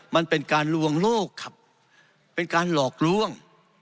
มันเป็นการลวงโลกครับเป็นการหลอกลวง